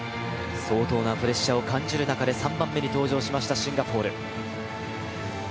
相当なプレッシャーを感じる中で３番目に登場したシンガポール。